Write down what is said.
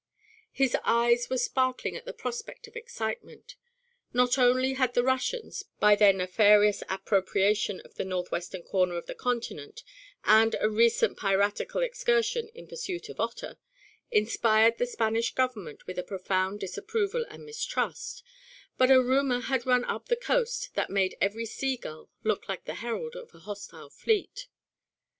His eyes were sparkling at the prospect of excitement; not only had the Russians, by their nefarious appropriation of the northwestern corner of the continent and a recent piratical excursion in pursuit of otter, inspired the Spanish Government with a profound disapproval and mistrust, but a rumor had run up the coast that made every sea gull look like the herald of a hostile fleet.